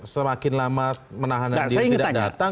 semakin lama menahan diri tidak datang